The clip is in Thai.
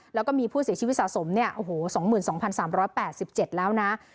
แล้วก็มีผู้เสียชีวิตสะสม๒๒๓๘๗แล้วนะ